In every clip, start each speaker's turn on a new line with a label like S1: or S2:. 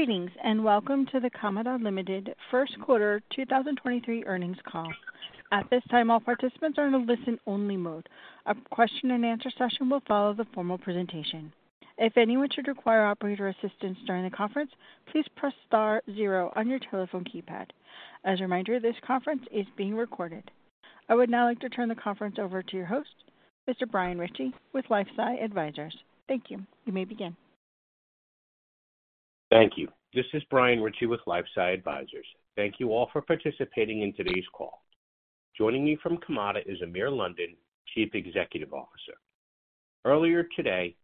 S1: Greetings, and welcome to the Kamada Ltd. First Quarter 2023 earnings call. At this time, all participants are in a listen-only mode. A question and answer session will follow the formal presentation. If anyone should require operator assistance during the conference, please press star 0 on your telephone keypad. As a reminder, this conference is being recorded. I would now like to turn the conference over to your host, Mr. Brian Ritchie, with LifeSci Advisors. Thank you. You may begin.
S2: Thank you. This is Brian Ritchie with LifeSci Advisors. Thank you all for participating in today's call. Joining me from Kamada is Amir London, Chief Executive Officer. Earlier today,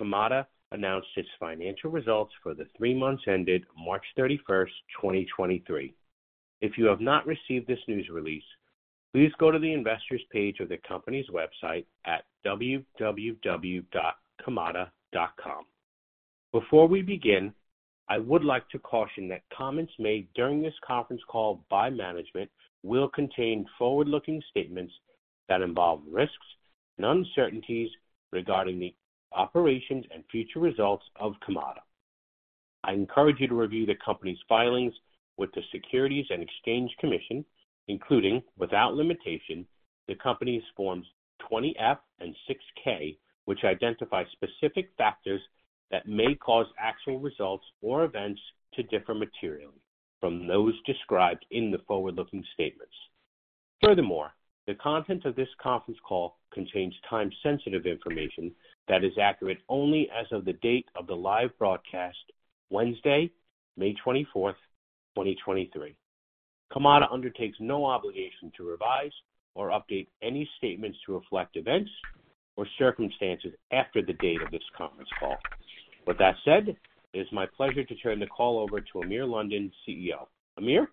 S2: Kamada announced its financial results for the three months ended March 31st, 2023. If you have not received this news release, please go to the investors page of the company's website at www.kamada.com. Before we begin, I would like to caution that comments made during this conference call by management will contain forward-looking statements that involve risks and uncertainties regarding the operations and future results of Kamada. I encourage you to review the Company's filings with the Securities and Exchange Commission, including, without limitation, the Company's Forms Form 20-F and Form 6-K, which identify specific factors that may cause actual results or events to differ materially from those described in the forward-looking statements. Furthermore, the content of this conference call contains time-sensitive information that is accurate only as of the date of the live broadcast, Wednesday, May 24th, 2023. Kamada undertakes no obligation to revise or update any statements to reflect events or circumstances after the date of this conference call. With that said, it is my pleasure to turn the call over to Amir London, CEO. Amir.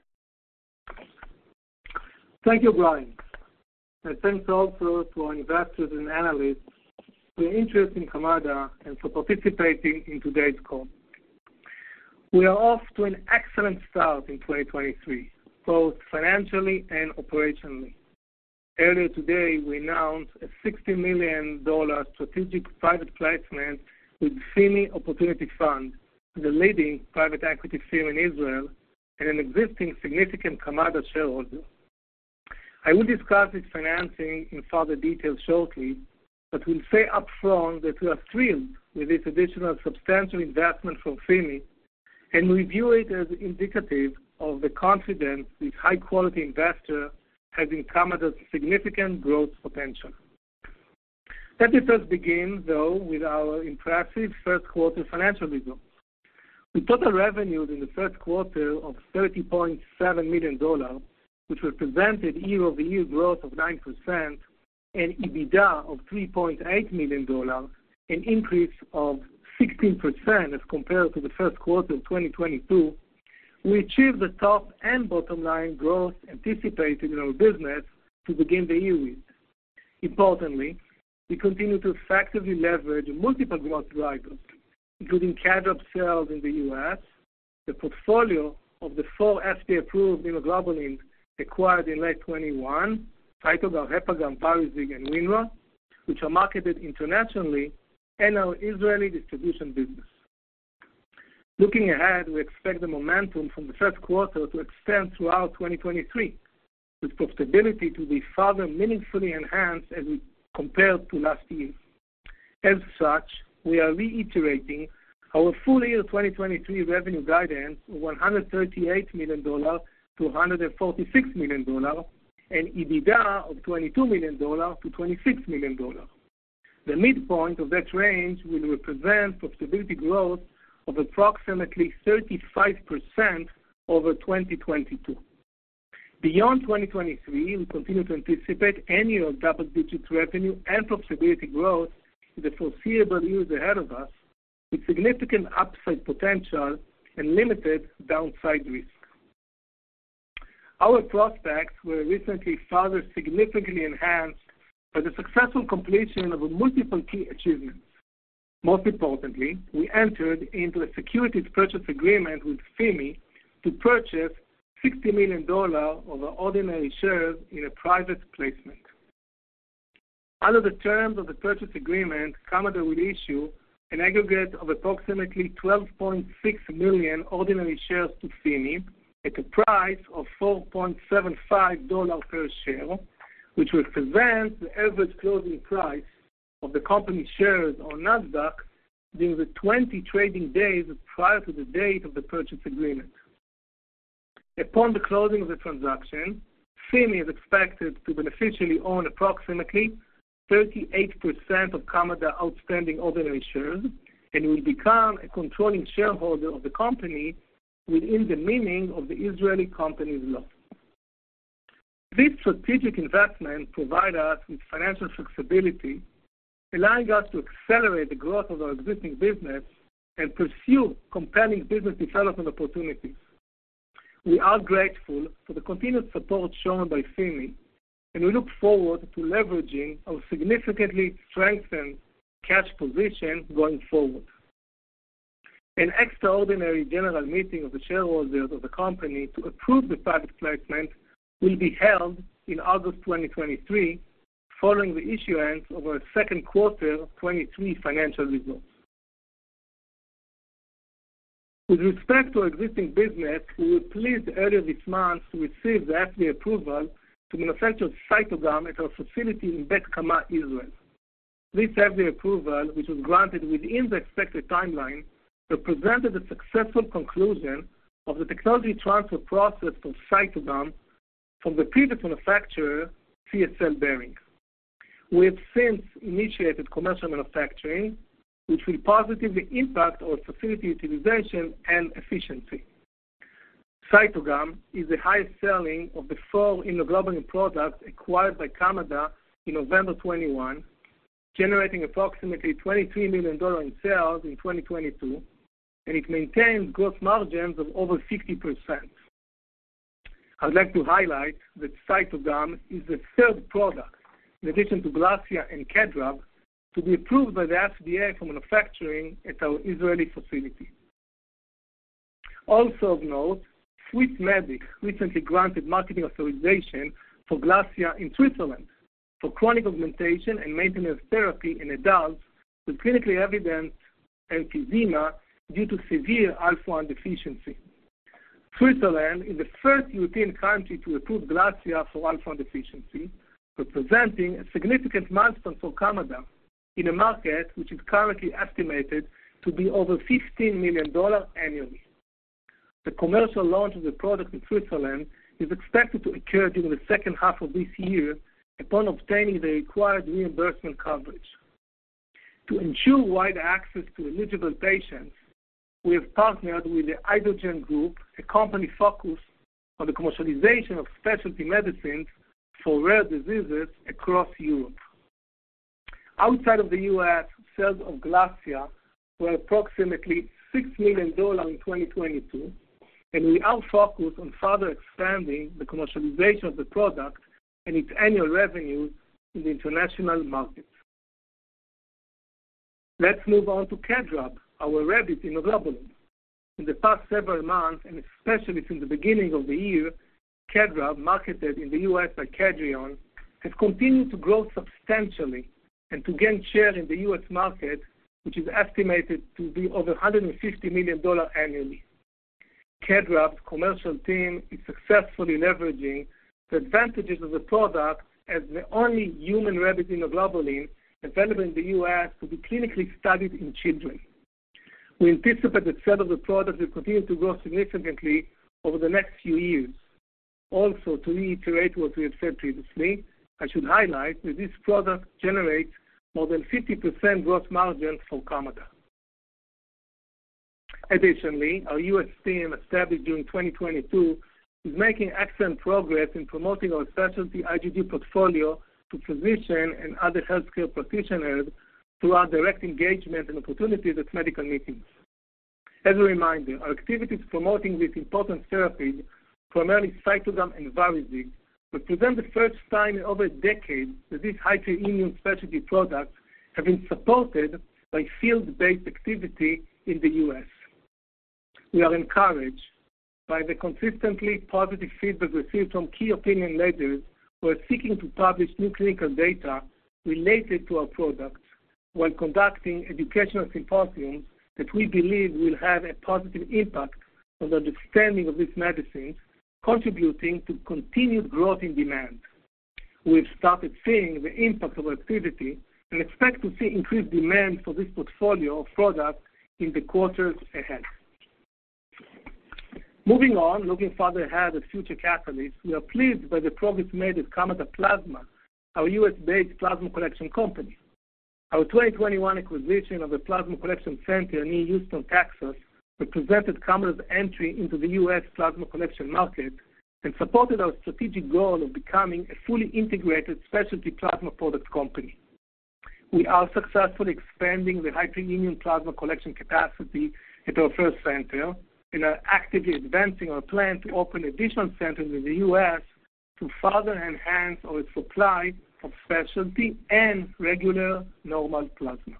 S3: Thank you, Brian. Thanks also to our investors and analysts for your interest in Kamada and for participating in today's call. We are off to an excellent start in 2023, both financially and operationally. Earlier today, we announced a $60 million strategic private placement with FIMI Opportunity Funds, the leading private equity firm in Israel and an existing significant Kamada shareholder. I will discuss this financing in further detail shortly, but will say upfront that we are thrilled with this additional substantial investment from FIMI, and we view it as indicative of the confidence this high-quality investor has in Kamada's significant growth potential. Let me first begin, though, with our impressive first quarter financial results. With total revenues in the first quarter of $30.7 million, which represented year-over-year growth of 9% and EBITDA of $3.8 million, an increase of 16% as compared to the first quarter of 2022, we achieved the top and bottom line growth anticipated in our business to begin the year with. Importantly, we continue to effectively leverage multiple growth drivers, including KEDRAB sales in the U.S., the portfolio of the four FDA-approved immunoglobulins acquired in late 2021, Cytogam, HepaGam, VARIZIG, and WinRho, which are marketed internationally, and our Israeli distribution business. Looking ahead, we expect the momentum from the first quarter to extend throughout 2023, with profitability to be further meaningfully enhanced as we compare to last year. As such, we are reiterating our full-year 2023 revenue guidance of $138 million-$146 million, and EBITDA of $22 million-$26 million. The midpoint of that range will represent profitability growth of approximately 35% over 2022. Beyond 2023, we continue to anticipate annual double-digit revenue and profitability growth in the foreseeable years ahead of us with significant upside potential and limited downside risk. Our prospects were recently further significantly enhanced by the successful completion of multiple key achievements. Most importantly, we entered into a securities purchase agreement with FIMI to purchase $60 million of our ordinary shares in a private placement. Under the terms of the purchase agreement, Kamada will issue an aggregate of approximately $12.6 million ordinary shares to FIMI at the price of $4.75 per share, which represents the average closing price of the company shares on Nasdaq during the 20 trading days prior to the date of the purchase agreement. Upon the closing of the transaction, FIMI is expected to beneficially own approximately 38% of Kamada outstanding ordinary shares and will become a controlling shareholder of the company within the meaning of the Israeli Companies Law. This strategic investment provide us with financial flexibility, allowing us to accelerate the growth of our existing business and pursue compelling business development opportunities. We are grateful for the continued support shown by FIMI, and we look forward to leveraging our significantly strengthened cash position going forward. An extraordinary general meeting of the shareholders of the company to approve the private placement will be held in August 2023. Following the issuance of our second quarter 2023 financial results. With respect to our existing business, we were pleased earlier this month to receive the FDA approval to manufacture Cytogam at our facility in Beit Kama, Israel. This FDA approval, which was granted within the expected timeline, represented the successful conclusion of the technology transfer process for Cytogam from the previous manufacturer, CSL Behring. We have since initiated commercial manufacturing, which will positively impact our facility utilization and efficiency. Cytogam is the highest selling of the four immunoglobulin products acquired by Kamada in November 2021, generating approximately $23 million in sales in 2022, and it maintains gross margins of over 60%. I'd like to highlight that Cytogam is the third product, in addition to GLASSIA and KEDRAB, to be approved by the FDA for manufacturing at our Israeli facility. Swissmedic recently granted marketing authorization for GLASSIA in Switzerland for chronic augmentation and maintenance therapy in adults with clinically evident emphysema due to severe Alpha-1 deficiency. Switzerland is the first European country to approve GLASSIA for Alpha-1 deficiency, representing a significant milestone for Kamada in a market which is currently estimated to be over $15 million annually. The commercial launch of the product in Switzerland is expected to occur during the second half of this year upon obtaining the required reimbursement coverage. To ensure wide access to eligible patients, we have partnered with the Ixogen Group, a company focused on the commercialization of specialty medicines for rare diseases across Europe. Outside of the U.S., sales of GLASSIA were approximately $6 million in 2022. We are focused on further expanding the commercialization of the product and its annual revenues in the international markets. Let's move on to KEDRAB, our rabbit immunoglobulin. In the past several months, and especially since the beginning of the year, KEDRAB, marketed in the U.S. by Kedrion, has continued to grow substantially and to gain share in the U.S. market, which is estimated to be over $150 million annually. KEDRAB's commercial team is successfully leveraging the advantages of the product as the only human rabbit immunoglobulin available in the U.S. to be clinically studied in children. We anticipate the sale of the product will continue to grow significantly over the next few years. Also, to reiterate what we have said previously, I should highlight that this product generates more than 50% gross margin for Kamada. Additionally, our U.S. team established during 2022 is making excellent progress in promoting our specialty IgG portfolio to physicians and other healthcare practitioners through our direct engagement and opportunities at medical meetings. As a reminder, our activities promoting this important therapy, primarily Cytogam and VARIZIG, represent the first time in over a decade that these hyperimmune specialty products have been supported by field-based activity in the U.S. We are encouraged by the consistently positive feedback received from key opinion leaders who are seeking to publish new clinical data related to our products while conducting educational symposiums that we believe will have a positive impact on the understanding of this medicine, contributing to continued growth in demand. We've started seeing the impact of our activity and expect to see increased demand for this portfolio of products in the quarters ahead. Moving on, looking further ahead at future catalysts, we are pleased by the progress made at Kamada Plasma, our U.S.-based plasma collection company. Our 2021 acquisition of a plasma collection center near Houston, Texas, represented Kamada's entry into the U.S. plasma collection market and supported our strategic goal of becoming a fully integrated specialty plasma product company. We are successfully expanding the hyperimmune plasma collection capacity at our first center and are actively advancing our plan to open additional centers in the U.S. to further enhance our supply of specialty and regular normal plasma.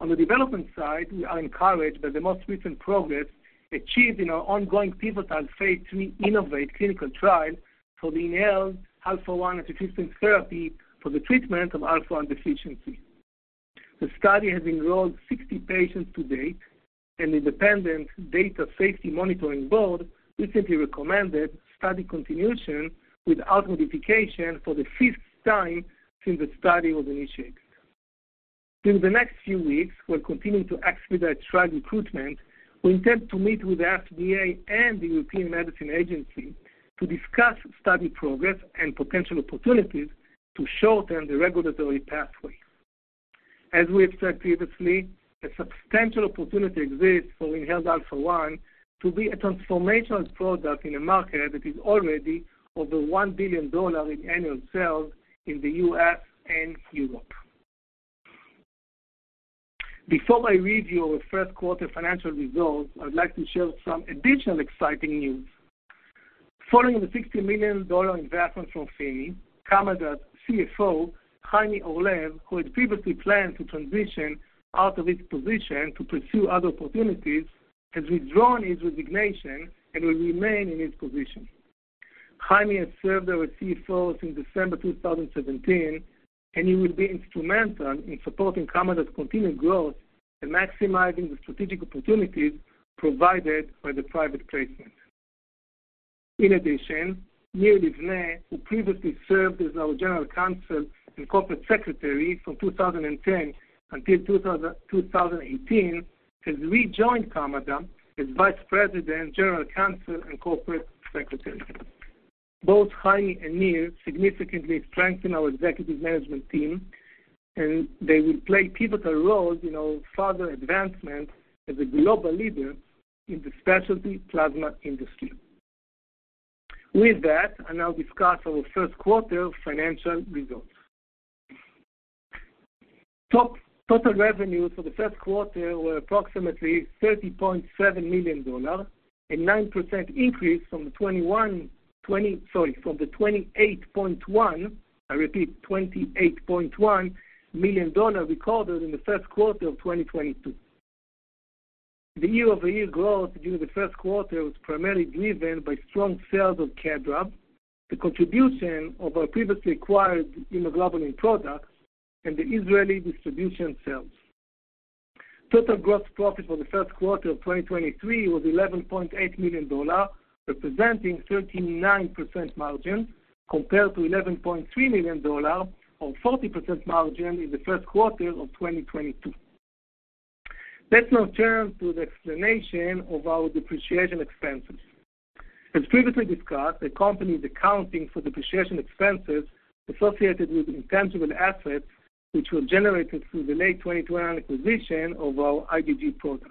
S3: On the development side, we are encouraged by the most recent progress achieved in our ongoing pivotal phase III InnovAATe clinical trial for the inhaled Alpha-1 antitrypsin therapy for the treatment of Alpha-1 deficiency. The study has enrolled 60 patients to date, and the independent data safety monitoring board recently recommended study continuation without modification for the fifth time since the study was initiated. During the next few weeks, we're continuing to expedite trial recruitment. We intend to meet with the FDA and the European Medicines Agency to discuss study progress and potential opportunities to shorten the regulatory pathway. As we have said previously, a substantial opportunity exists for inhaled Alpha-1 to be a transformational product in a market that is already over $1 billion in annual sales in the U.S. and Europe. Before I read you our first quarter financial results, I'd like to share some additional exciting news. Following the $60 million investment from FIMI, Kamada's CFO, Chaime Orlev, who had previously planned to transition out of his position to pursue other opportunities, has withdrawn his resignation and will remain in his position. Chaime has served as our CFO since December 2017, he will be instrumental in supporting Kamada's continued growth and maximizing the strategic opportunities provided by the private placement. Nir Livneh, who previously served as our General Counsel and Corporate Secretary from 2010 until 2018, has rejoined Kamada as Vice President, General Counsel, and Corporate Secretary. Both Chaime and Nir significantly strengthen our executive management team, and they will play pivotal roles in our further advancement as a global leader in the specialty plasma industry. With that, I'll now discuss our first quarter financial results. Total revenues for the first quarter were approximately $30.7 million, a 9% increase from the $28.1 million recorded in the first quarter of 2022. The year-over-year growth during the first quarter was primarily driven by strong sales of KEDRAB, the contribution of our previously acquired immunoglobulin products, and the Israeli distribution sales. Total gross profit for the first quarter of 2023 was $11.8 million, representing 39% margin compared to $11.3 million on 40% margin in the first quarter of 2022. Let's now turn to the explanation of our depreciation expenses. As previously discussed, the company's accounting for depreciation expenses associated with intangible assets, which were generated through the late 2021 acquisition of our IgG products.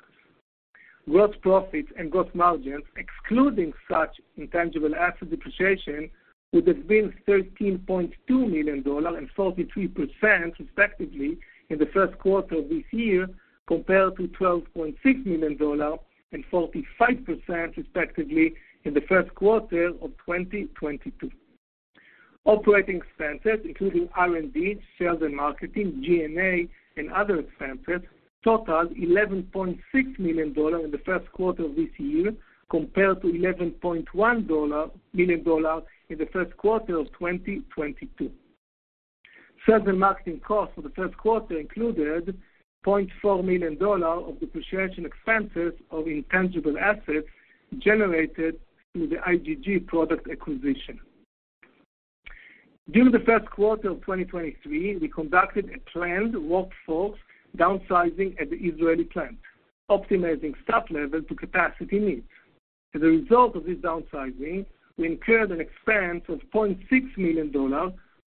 S3: Gross profits and gross margins, excluding such intangible asset depreciation, would have been $13.2 million and 43% respectively in the first quarter of this year, compared to $12.6 million and 45% respectively in the first quarter of 2022. Operating expenses, including R&D, sales and marketing, G&A, and other expenses, totaled $11.6 million in the first quarter of this year, compared to $11.1 million in the first quarter of 2022. Sales and marketing costs for the first quarter included $0.4 million of depreciation expenses of intangible assets generated through the IgG product acquisition. During the first quarter of 2023, we conducted a planned workforce downsizing at the Israeli plant, optimizing staff levels to capacity needs. As a result of this downsizing, we incurred an expense of $0.6 million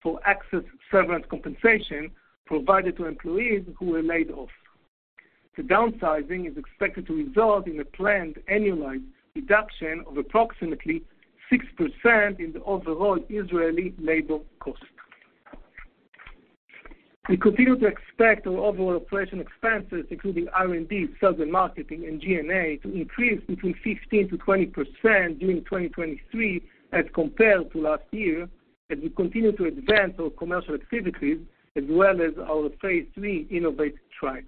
S3: for excess severance compensation provided to employees who were laid off. The downsizing is expected to result in a planned annualized reduction of approximately 6% in the overall Israeli labor cost. We continue to expect our overall operation expenses, including R&D, sales and marketing, and G&A, to increase between 15%-20% during 2023 as compared to last year, as we continue to advance our commercial activities as well as our phase III innovative trials.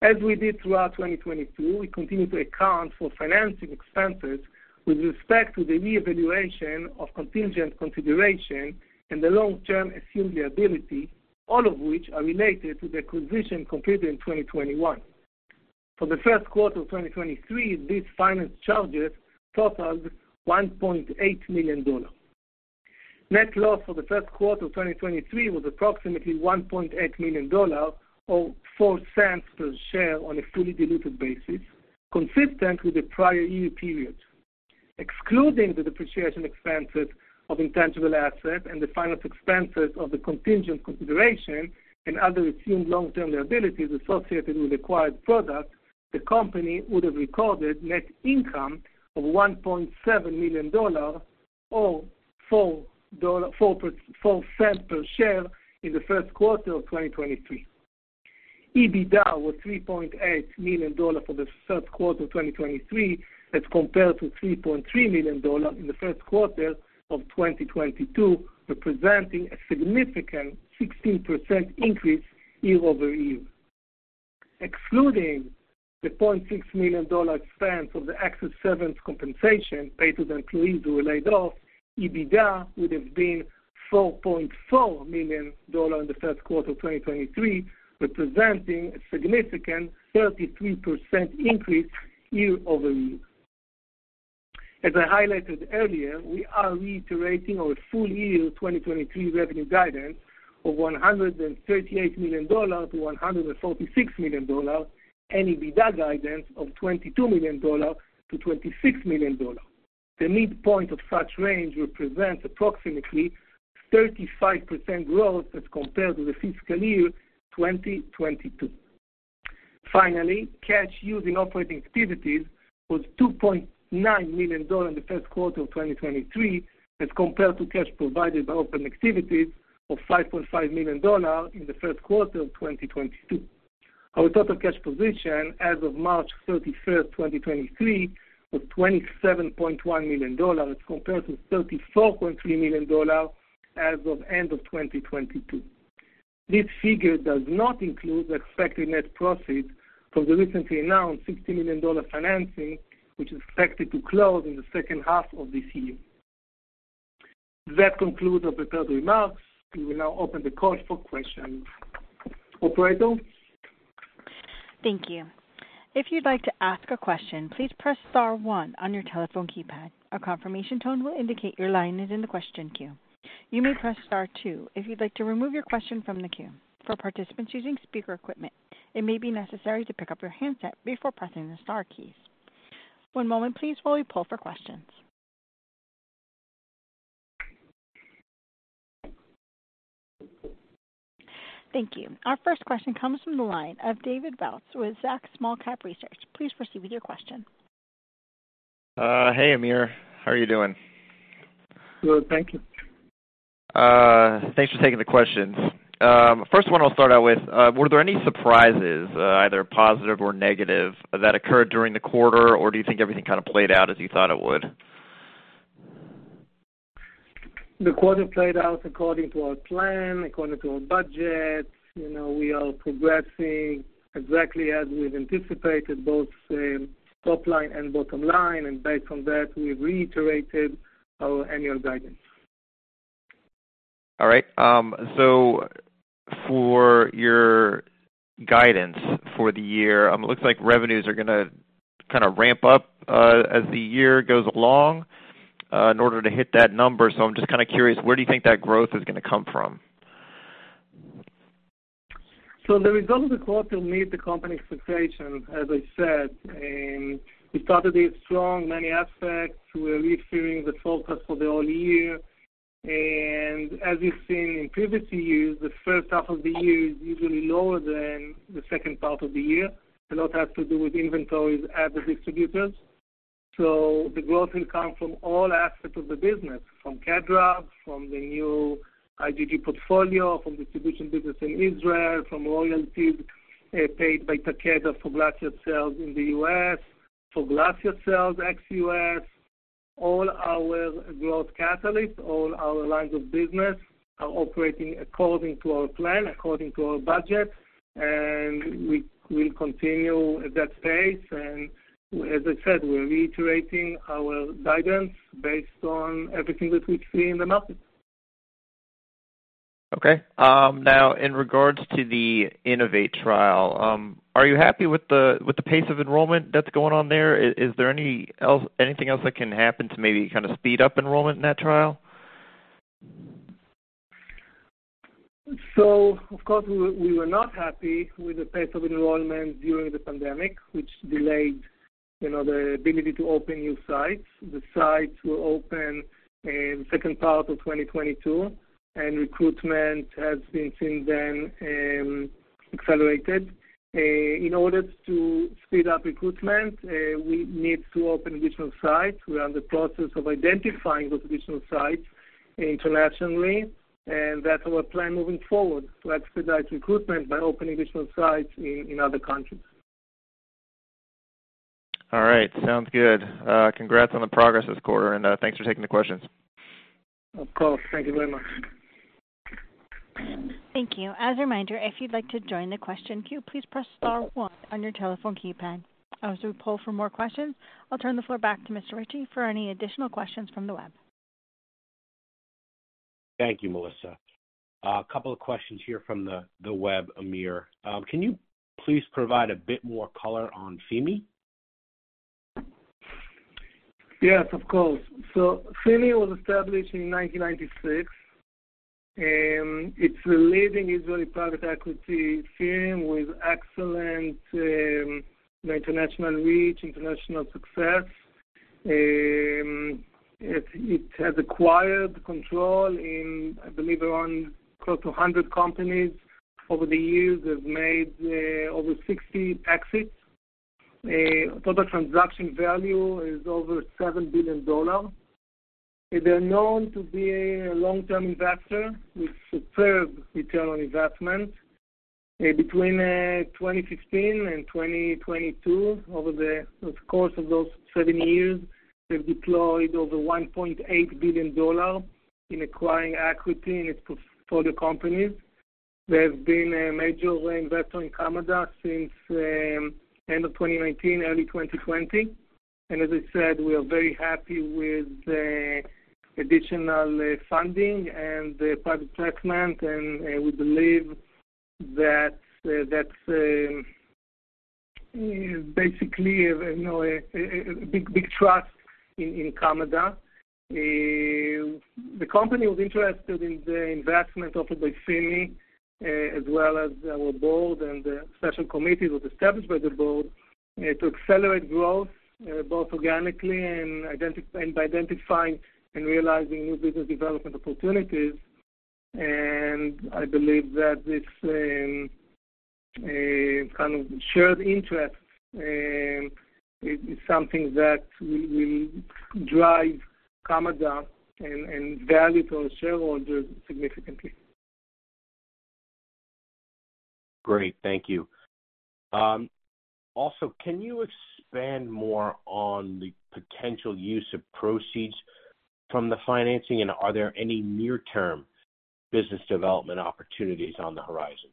S3: As we did throughout 2022, we continue to account for financing expenses with respect to the reevaluation of contingent consideration and the long-term assumed liability, all of which are related to the acquisition completed in 2021. For the first quarter of 2023, these finance charges totaled $1.8 million. Net loss for the first quarter of 2023 was approximately $1.8 million, or $0.04 per share on a fully diluted basis, consistent with the prior year period. Excluding the depreciation expenses of intangible assets and the finance expenses of the contingent consideration and other assumed long-term liabilities associated with acquired products, the company would have recorded net income of $1.7 million or $0.04 per share in the first quarter of 2023. EBITDA was $3.8 million for the first quarter of 2023, as compared to $3.3 million in the first quarter of 2022, representing a significant 16% increase year-over-year. Excluding the $0.6 million expense of the excess severance compensation paid to the employees who were laid off, EBITDA would have been $4.4 million in the first quarter of 2023, representing a significant 33% increase year-over-year. As I highlighted earlier, we are reiterating our full year 2023 revenue guidance of $138 million-$146 million and EBITDA guidance of $22 million-$26 million. The midpoint of such range represents approximately 35% growth as compared to the fiscal year 2022. Cash used in operating activities was $2.9 million in the first quarter of 2023, as compared to cash provided by operating activities of $5.5 million in the first quarter of 2022. Our total cash position as of March 31, 2023, was $27.1 million, as compared to $34.3 million as of end of 2022. This figure does not include the expected net proceed from the recently announced $60 million financing, which is expected to close in the second half of this year. That concludes the prepared remarks. We will now open the call for questions. Operator?
S1: Thank you. If you'd like to ask a question, please press star one on your telephone keypad. A confirmation tone will indicate your line is in the question queue. You may press star two if you'd like to remove your question from the queue. For participants using speaker equipment, it may be necessary to pick up your handset before pressing the star keys. One moment please while we pull for questions. Thank you. Our first question comes from the line of David Bautz with Zacks Small-Cap Research. Please proceed with your question.
S4: Hey, Amir, how are you doing?
S3: Good, thank you.
S4: Thanks for taking the questions. First one I'll start out with, were there any surprises, either positive or negative that occurred during the quarter, or do you think everything kinda played out as you thought it would?
S3: The quarter played out according to our plan, according to our budget. You know, we are progressing exactly as we've anticipated, both, top line and bottom line, and based on that, we reiterated our annual guidance.
S4: All right. For your guidance for the year, looks like revenues are gonna kinda ramp up as the year goes along in order to hit that number. I'm just kinda curious, where do you think that growth is gonna come from?
S3: The results of the quarter meet the company expectations, as I said. We started it strong, many aspects. We're reconfirming the forecast for the whole year. As you've seen in previous years, the first half of the year is usually lower than the second part of the year. A lot has to do with inventories at the distributors. The growth will come from all aspects of the business, from KEDRAB, from the new IgG portfolio, from distribution business in Israel, from royalties paid by Takeda for GLASSIA sales in the U.S., for GLASSIA sales ex-U.S. All our growth catalysts, all our lines of business are operating according to our plan, according to our budget, and we will continue at that pace. As I said, we're reiterating our guidance based on everything that we see in the market.
S4: Okay. now in regards to the InnovAATe trial, are you happy with the pace of enrollment that's going on there? Is there anything else that can happen to maybe kinda speed up enrollment in that trial?
S3: Of course, we were not happy with the pace of enrollment during the pandemic, which delayed, you know, the ability to open new sites. The sites were opened in second part of 2022, and recruitment has been since then accelerated. In order to speed up recruitment, we need to open additional sites. We are in the process of identifying those additional sites internationally, and that's our plan moving forward, to expedite recruitment by opening additional sites in other countries.
S4: All right. Sounds good. Congrats on the progress this quarter, and thanks for taking the questions.
S3: Of course. Thank you very much.
S1: Thank you. As a reminder, if you'd like to join the question queue, please press star one on your telephone keypad. As we poll for more questions, I'll turn the floor back to Mr. Ritchie for any additional questions from the web.
S2: Thank you, Melissa. A couple of questions here from the web, Amir. Can you please provide a bit more color on FIMI?
S3: Yes, of course. FIMI was established in 1996, it's a leading Israeli private equity firm with excellent international reach, international success. It has acquired control in, I believe around close to 100 companies. Over the years, they've made over 60 exits. Total transaction value is over $7 billion. They're known to be a long-term investor with superb ROI. Between 2016 and 2022, over the course of those seven years, they've deployed over $1.8 billion in acquiring equity in its portfolio companies. They've been a major investor in Kamada since end of 2019, early 2020. As I said, we are very happy with the additional funding and the private placement, and we believe that that's basically, you know, a big trust in Kamada. The company was interested in the investment offered by FIMI, as well as our board. A special committee was established by the board to accelerate growth, both organically and by identifying and realizing new business development opportunities. I believe that this kind of shared interest is something that will drive Kamada and value to our shareholders significantly.
S2: Great. Thank you. Also, can you expand more on the potential use of proceeds from the financing, and are there any near-term business development opportunities on the horizon?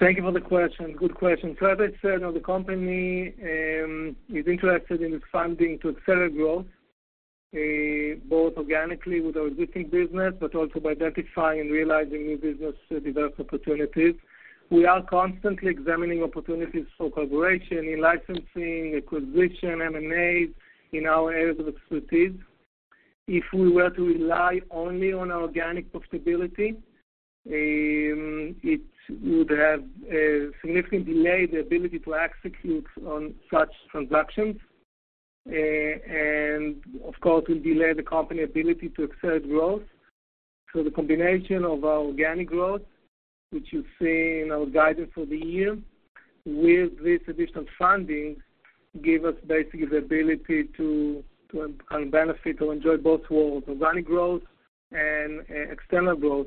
S3: Thank you for the question. Good question. As I said, the company is interested in this funding to accelerate growth, both organically with our existing business, but also by identifying and realizing new business development opportunities. We are constantly examining opportunities for collaboration in-licensing, acquisition, M&A in our areas of expertise. If we were to rely only on our organic profitability, it would have significantly delayed the ability to execute on such transactions, and of course, will delay the company ability to accelerate growth. The combination of our organic growth, which you've seen our guidance for the year, with this additional funding, give us basically the ability to benefit or enjoy both worlds, organic growth and external growth,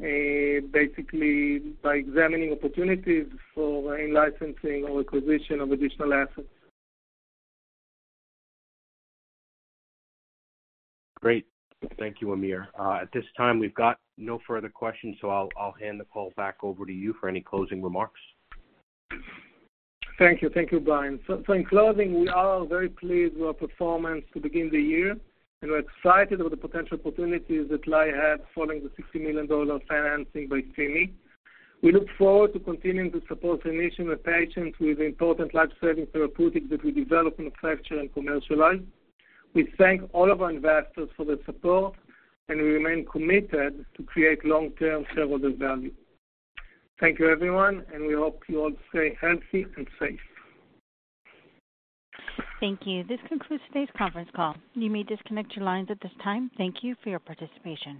S3: basically by examining opportunities for in-licensing or acquisition of additional assets.
S2: Great. Thank you, Amir. At this time, we've got no further questions. I'll hand the call back over to you for any closing remarks.
S3: Thank you. Thank you, Brian. In closing, we are very pleased with our performance to begin the year. We're excited with the potential opportunities that lie ahead following the $60 million financing by FIMI. We look forward to continuing to support the mission of patients with important life-saving therapeutics that we develop, manufacture and commercialize. We thank all of our investors for their support. We remain committed to create long-term shareholder value. Thank you, everyone. We hope you all stay healthy and safe.
S1: Thank you. This concludes today's conference call. You may disconnect your lines at this time. Thank you for your participation.